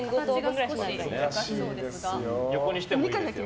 横にしてもいいですよ。